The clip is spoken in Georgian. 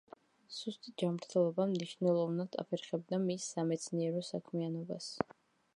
სუსტი ჯანმრთელობა მნიშვნელოვნად აფერხებდა მის სამეცნიერო საქმიანობას.